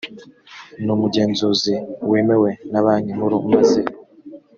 n umugenzuzi wemewe na banki nkuru maze